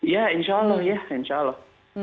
ya insya allah